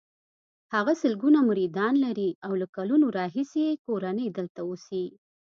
هغه سلګونه مریدان لري او له کلونو راهیسې یې کورنۍ دلته اوسي.